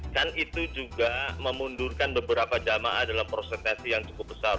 dan itu juga memundurkan beberapa jamaah dalam prosentasi yang cukup besar